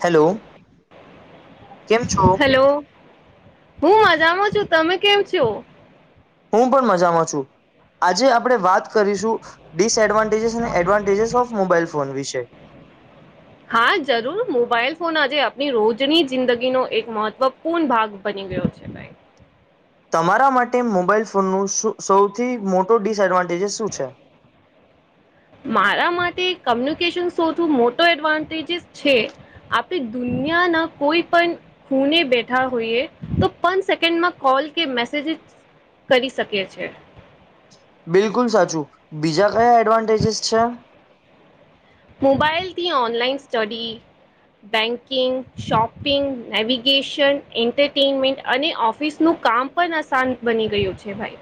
Hello! કેમ છો hello! હું મજામાં છું તમે કેમ છો? હું પણ મજામાં છું. આજે આપણે વાત કરીશું ડીસ એડવાન્ટેજ ડીસ એડવાન્ટેજ અને એડવાન્ટેજ ઓફ મોબાઈલ ફોન વિશે હા જરૂર મોબાઈલ ફોન આજે આપણી રોજની જિંદગીનો એક મહત્વપૂર્ણ ભાગ બની બની ગયો છે. ભાઈ હ તમારા માટે મોબાઈલ ફોનનું સૌથી મોટો ડિસએડવાન્ટેજ શું છે? [inaudible] મારા માટે કમ્યુનિકેશન સૌથી મોટો એડવાન્ટેજસ છે. આપણી દુનિયા કોઈ પણ ખૂને બેઠા હોઈએ તો પણ સેકન્ડમાં કોલ કે મેસેજ કરી શકે છે બિલકુલ સાચું બીજા કયા એડવાન્ટેજસ છે મોબાઈલથી online study banking shopping navigation entertainment અને ઓફિસનું કામ પણ આસાન બની ગયું છે ભાઈ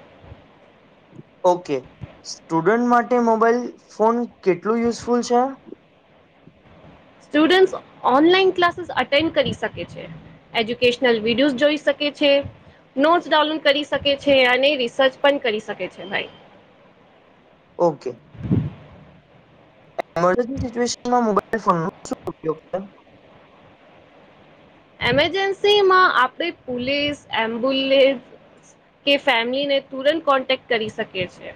ઓકે સ્ટુડન્ટ માટે મોબાઈલ ફોન કેટલું યુઝફુલ છે સ્ટુડન્ટ ઓનલાઈન ક્લાસીસ અટેન્ડ કરી શકે છે એજ્યુકેશનલ વિડીયોઝ જોઈ શકે નોટ ડાઉન કરી શકે છે અને રિસર્ચ પણ કરી શકે છે ભાઈ ઓકે મરજન્સી સિચ્યુએશનમાં મોબાઈલ ફોનનો શું ઉપયોગ છે એમરજન્સી માં આપણે પોલીસ એમ્બ્યુલેન્સ કે ફેમિલીને તુરંત કોન્ટેક્ટ કરી શકે છે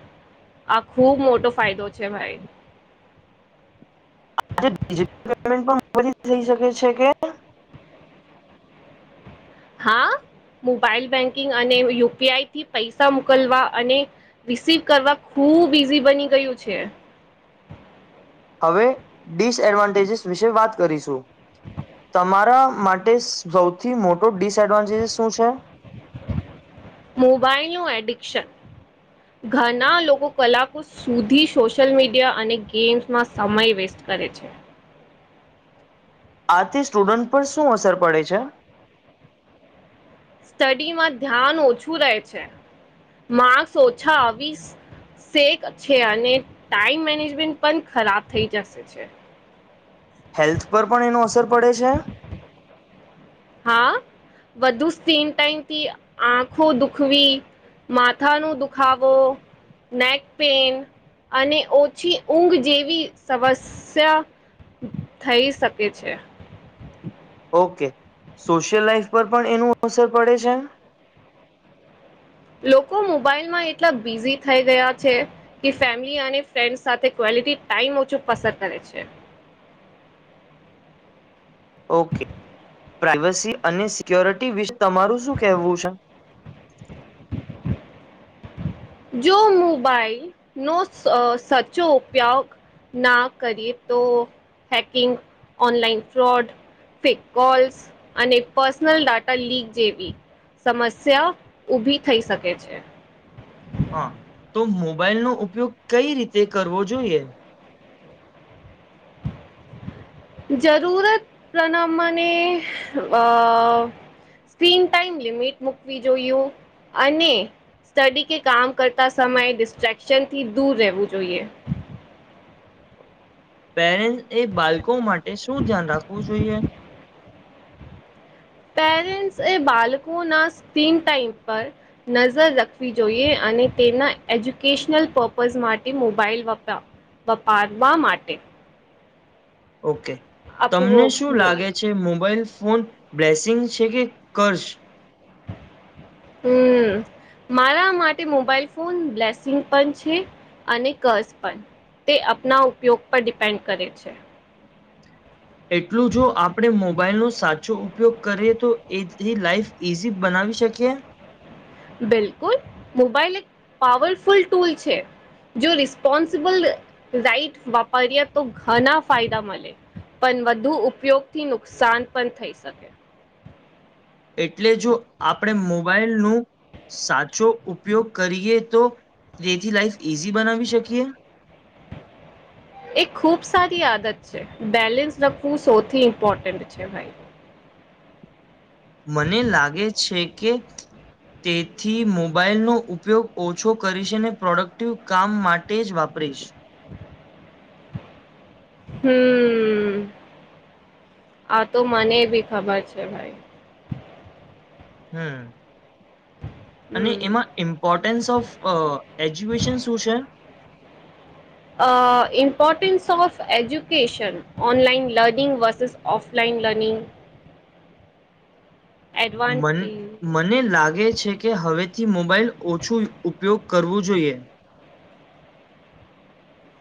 આ ખુબ મોટો ફાયદો છે ભાઈ આ પેમેન્ટ પણ થઈ શકે છે કે હા મોબાઈલ બેંકિંગ અને યુપીઆઈ થી પૈસા મોકલવા અને રિસીવ કરવા ખૂબ ઈઝી બની ગયું છે હવે ડિસએડવાન્ટેજસ વિશે વાત કરીશું તમારા માટે સૌથી મોટો ડિસએડવાન્ટેજસ શું છે [inaudible] મોબાઈલનુંું એડિક્શન ઘણા લોકો કલાકો સુધી સોશિયલ મીડિયા અને ગેમ્સમાં સમય વેસ્ટ કરે છે આથી સ્ટુડન્ટ પર શું અસર પડે છે સ્ટડીમાં ધ્યાન ઓછું રહે છે માર્ક્સ ઓછા આવીશ સેક છે અને ટાઈમ મેનેજમેન્ટ પણ ખરાબ થઈ જશે છે હેલ્થ પર પણ એનું અસર પડે છે હા વધુ સિમ ટાઈમથી આંખો દુખવી માથા ન દુખાવો નેક પેન અને ઓછી ઊંઘ જેવી સમસ્યા થઈ શકે છે ઓકે સોશિયલ લાઈફ પર પણ એનું અસર પડે છે એમ લોકો મોબાઈલમાં એટલા બિઝી થઈ ગયા છે કે ફેમિલી અને ફ્રેન્ડ સાથે થી ટાઈમ ઓછું પસાર કરે છે [inaudible] ઓકે પ્રાઈવસી અને સિક્યોરિટી વિશે તમારું શું કેહેવું છે જો મોબાઈલ નો સાચો ઉપયોગ ના કરીએ તો hacking online fraud fake calls અને પર્સનલ ડાટા લીક જેવી સમસ્યા ઉઊભી થઈ શકે છે હા તો મોબાઈલનોો ઉપયોગ કઈ રીતે કરવો જોઈએ જરૂરત પ્રણમને આહ સ્ક્રીન ટાઈમ લિમિટ મૂકવી જોઈું અને સ્ટડી કે કામ કરતા સમયે ડિસ્ટ્રેક્શન થી દૂર રહેવું જોઈએ [inaudible] પેરેન્ટ્સ એ બાળકો માટે શું ધ્યાન રાખવું જોઈએ પેરેન્ટસ એ બાળકો ના સ્ક્રીન ટાઈમ પર નજર રાખવી જોઈએ અને તેના એજ્યુકેશનલ પર્પઝ માટે મોબાઈલ વપરા વપારવા માટે ઓકે, આપવો તમને શું લાગે જોઈએ છે મોબાઈલ? ફોન બ્લેસિંગ છે કે કરશ? હમ. મારા માટે મોબાઈલ ફોન બ્લેસિંગ પણ છે અને ક્રશ પણ તે આપના ઉપયોગ પર ડિપેન્ડ કરે છે. એટલું જો આપણે મોબાઈલનો સાચો ઉપયોગ કરીએ તો એથી લાઈફ ઇઝી બનાવી આવી શકી. બિલકુલ, મોબાઈલ એક પાવરફુલ ટુલ છે. જો રિસ્પોન્સિબલ રાઈટ વાપરીએ તો ઘણા ફાયદા મળે. પણ વધુ ઉપયોગથી નુકસાન પણ થઈ શકે. એટલે જો આપણે મોબાઈલનું સાચો ઉપયોગ કરીએ તો, તેથી લાઈફ ઇઝી બનાવી શકીએ. [unintelligible] એ ખૂબ સારી આદત છે. બેલેન્સ લખવું સૌથી ઇમ્પોર્ટન્ટ છે, ભાઈ. મને લાગે છે કે. તેથી મોબાઈલનો ઉપયોગ ઓછો કરીશ અનેને પ્રોડક્ટિવ કામ માટે જ વાપરીશ. હમ. આ તો મને ભી ખબર છે, ભાઈ. હમ. અને હમ એમાં ઇમ્પોર્ટન્સ ઓફ એજ્યુકેશન શું છે? Importance of education, online learning versus offline learning. [unintelligible] મને લાગે છે કે, હવે થી મોબાઈલ ઓછું ઉપયોગ કરવો જોઈએ.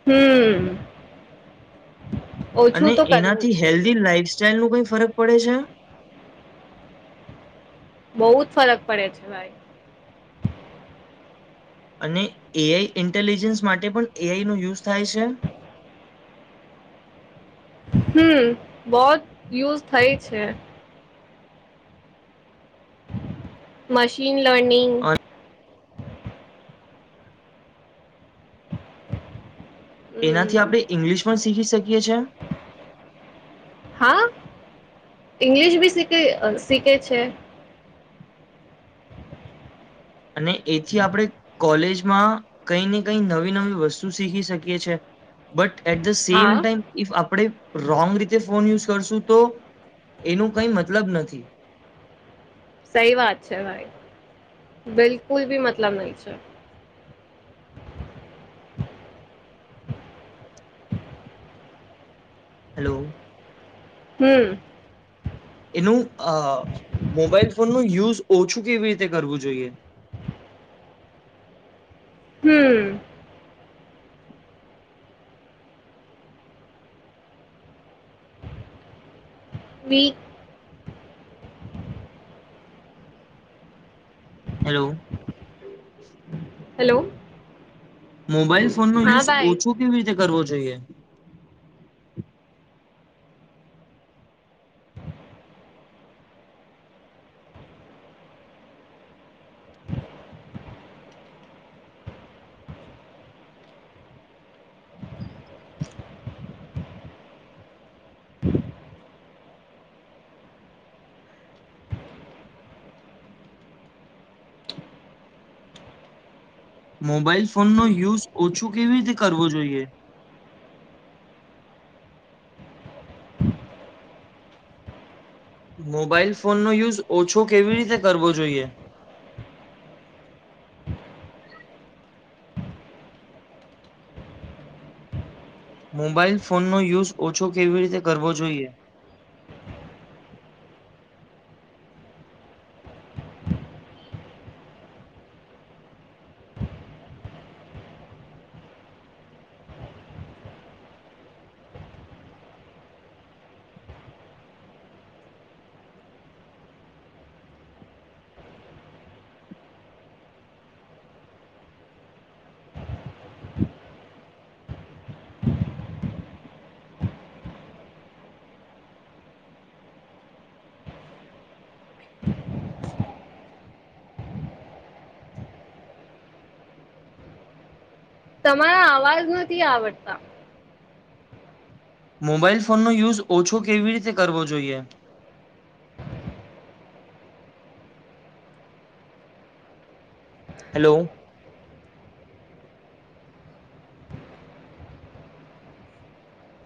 હમ. અને ઓછું તો કરવું એનાથી હેલ્ધી જોઈએ લાઈફસ્ટાઈલ ન કંઈ ફરક પડે છે? બહુ જ ફરક પડે છે, ભાઈ. અને એઆઈ ઇન્ટેલિજન્સ માટે પણ એઆઈનો યુઝ થાય છે. [unintelligible] હમ, બહુ જ યુઝ થઈ છે. Machine learning. અ એનાથી હમ આપણે ઈંગ્લિશ પણ શીખી શકીએ છે. હા, ઇંગ્લિશ બી શીખે શીખે છે. અને એથી આપણે કોલેજમાં કંઈ ને કંઈ નવી નવી વસ્તુ શીખી શકીએ છે. બટ એટ ધ સેમ હા ટાઈમ, ઇફ આપણે રોંગ રીતે ફોન યુઝ કરશું તો એનું કંઈ મતલબ નથી. સહી વાત છે, ભાઈ. બિલકુલ બી મતલબ નહીં છે. [unintelligible] હલો. હમ. એનું અ મોબાઈલ ફોનનો યુઝ ઓછું કેવી રીતે કરવું જોઈએ? હમ. We hello. હેલો. મોબાઈલ ફોનનો હા યુઝ ભાઈ ઓછો કેવી રીતે કરવો જોઈએ? મોબાઈલ ફોનનો યુઝ ઓછો કેવી રીતે કરવો જોઈએ? મોબાઈલ ફોનનો યુઝ ઓછો કેવી રીતે કરવો જોઈએ? [unintelligible] મોબાઈલ ફોનનો યુઝ ઓછો કેવી રીતે કરવો જોઈએ? [inaudible] તમારા અવાજ નથી આવડતા મોબાઈલ ફોનનો યુઝ ઓછો કેવી રીતે કરવો જોઈએ હેલો